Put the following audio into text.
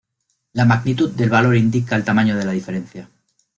La magnitud del valor indica el tamaño de la diferencia.